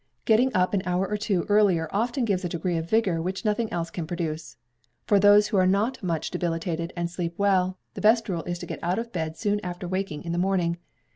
Getting up an hour or two earlier often gives a degree of vigour which nothing else can procure. For those who are not much debilitated, and sleep well, the best rule is to get out of bed soon after waking in the morning.